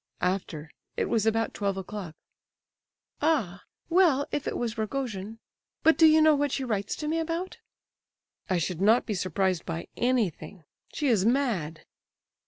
"After—it was about twelve o'clock." "Ah! Well, if it was Rogojin—but do you know what she writes to me about?" "I should not be surprised by anything. She is mad!"